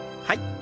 はい。